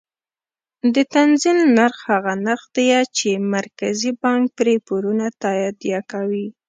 د تنزیل نرخ هغه نرخ دی چې مرکزي بانک پرې پورونه تادیه کوي.